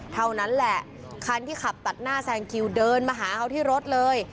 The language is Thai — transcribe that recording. เท่านั้นแหละคันที่ขับตัดหน้าแซงคิวเดินมาหาเขาที่รถเลย